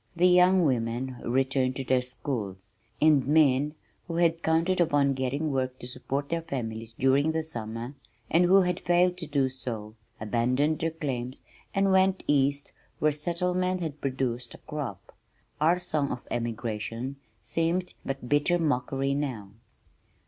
The young women returned to their schools, and men who had counted upon getting work to support their families during the summer, and who had failed to do so, abandoned their claims and went east where settlement had produced a crop. Our song of emigration seemed but bitter mockery now.